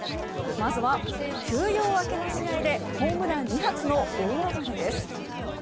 まずは休養明けの試合でホームラン２発の大暴れです。